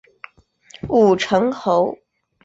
武城侯。